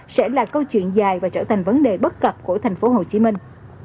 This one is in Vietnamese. sẽ là câu chuyện dài và trở thành vấn đề bất cập của thành phố hồ chí minh